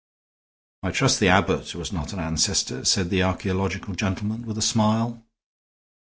"I trust the abbot was not an ancestor," said the archaeological gentleman, with a smile.